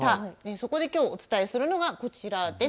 そこできょうお伝えするのはこちらです。